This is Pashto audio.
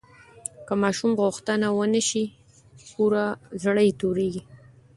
که ماشوم غوښتنه ونه شي پوره، زړه یې تورېږي.